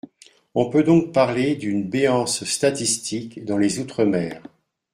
On peut donc parler d’une béance statistique dans les outre-mer.